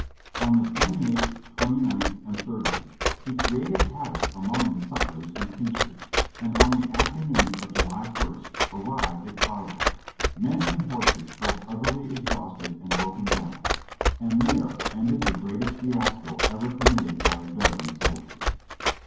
On the 28th, 29th, 25 386 JOHN'XY REB AND BII^LY YANK and 30th lie created havoc among the sutlers and teamsters, and on the afternoon of July ist arrived at Carlisle, men and horses both utterly exhausted and broken down ; and there ended the greatest fiasco ever committed by a veteran soldier.